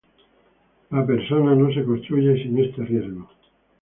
La persona no se construye sin este riesgo.